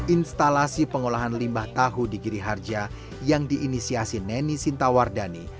instalasi pengolahan limbah tahu di giri harja yang diinisiasi neni sintawardani